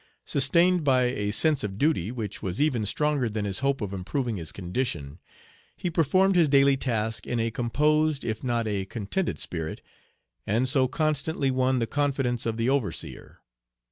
Sustained by a sense of duty, which was even stronger than his hope of improving his condition, he performed his daily task in a composed if not a contented spirit, and so constantly won the confidence of the overseer.